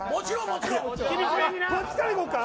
こっちからいこうか？